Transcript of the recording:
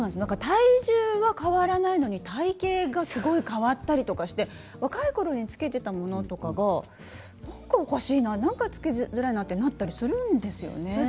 体重は変わらないのに体型がすごい変わったりして若いころに着けていたものが何かおかしいな、何か着けづらいなって思ったりするんですよね。